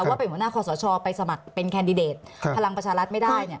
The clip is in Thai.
ว่าเป็นหัวหน้าคอสชไปสมัครเป็นแคนดิเดตพลังประชารัฐไม่ได้